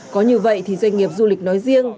có như vậy thì doanh nghiệp du lịch nói riêng